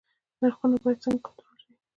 نرخونه باید څنګه کنټرول شي؟